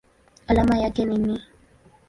Alama yake ni Ni.